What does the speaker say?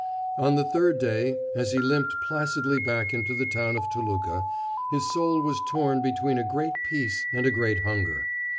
On the third day, as he limped placidly back into the town of Toluca, his soul was torn between a great peace and a great hunger.